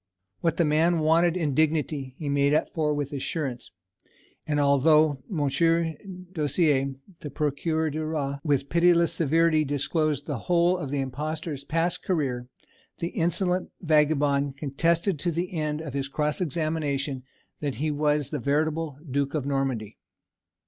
_" What the man wanted in dignity he made up for with assurance; and although Monsieur Dossier, the Procureur du Roi, with pitiless severity disclosed the whole of the impostor's past career, the insolent vagabond contested to the end of his cross examination that he was the veritable Duke of Normandy.